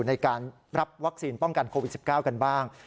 ในการรับวัคซีนป้องกันโควิด๑๙กันบ้าง